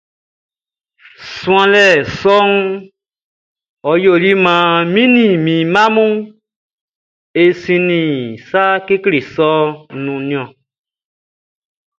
Suanlɛ sɔʼn yɛ ɔ yoli maan mi ni mi mma mun e sinnin sa kekle sɔʼn nun ɔn.